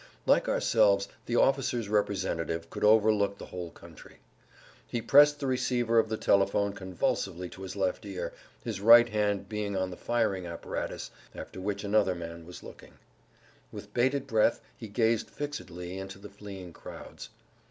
Like ourselves the officer's representative could overlook the whole country. He pressed the receiver of the telephone convulsively to his left ear, his right hand being on the firing apparatus after which another man was looking. With bated[Pg 103] breath he gazed fixedly into the fleeing crowds.